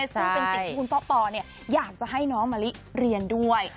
ซึ่งเป็นสิ่งที่คุณพ่อปออยากจะให้น้องมะลิเรียนด้วย